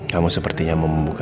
kamu sepertinya memungkinkan